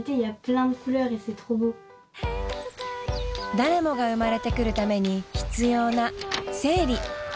誰もが生まれてくるために必要な生理。